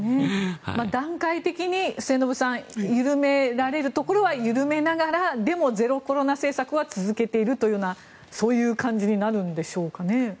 段階的に末延さん緩められるところは緩めながらでもゼロコロナ政策は続けているというようなそういう感じになるんでしょうかね。